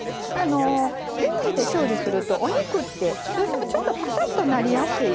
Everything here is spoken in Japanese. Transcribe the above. レンジで調理すると、お肉ってどうしても、ちょっとぱさっとなりやすい。